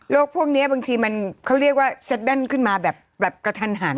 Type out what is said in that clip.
โรคพวกเนี้ยบางทีมันเขาเรียกว่าขึ้นมาแบบแบบกระทันหาเนี้ย